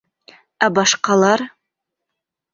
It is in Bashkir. Ә башҡалар?